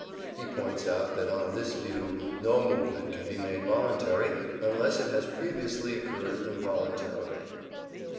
He points out that, on this view, no movement can be made voluntarily unless it has previously occurred involuntarily.